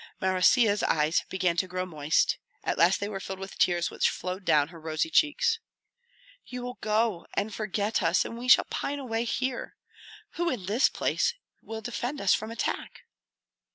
Marysia's eyes began to grow moist; at last they were filled with tears which flowed down her rosy cheeks. "You will go and forget us, and we shall pine away here. Who in this place will defend us from attack?"